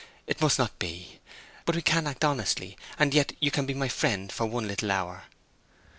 It must not be. But we can act honestly, and yet you can be my friend for one little hour?